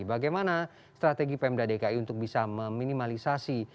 bagaimana strategi pemda dki untuk bisa meminimalisasi